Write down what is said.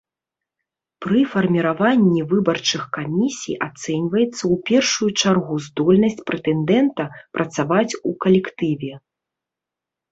Пры фарміраванні выбарчых камісій ацэньваецца ў першую чаргу здольнасць прэтэндэнта працаваць у калектыве.